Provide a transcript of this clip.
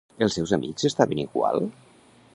Els seus amics estaven igual?